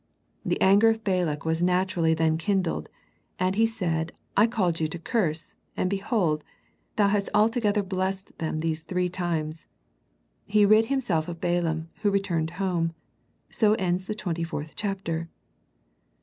The anger of Balak was naturally then kindled, and he said I called you to curse, and behold, thou hast altogether blessed them these three times. He rid himself of Balaam, who returned home. So ends the twenty fourth chapter.